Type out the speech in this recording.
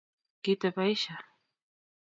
Kiteb Aisha